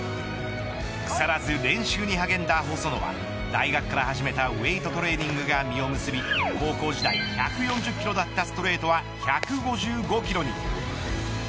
腐らず練習に励んだ細野は大学から始めたウエートトレーニングが実を結び高校時代１４０キロだったストレートは１５５キロに。